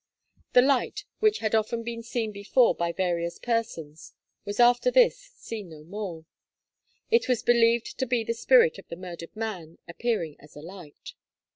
The light, which had often been seen before by various persons, was after this seen no more. It was believed to be the spirit of the murdered man, appearing as a light.